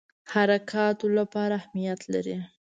حرکاتو لپاره اهمیت لري.